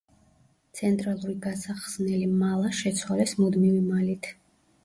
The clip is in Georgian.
ცენტრალური გასახსნელი მალა შეცვალეს მუდმივი მალით.